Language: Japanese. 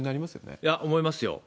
いや、思いますよ。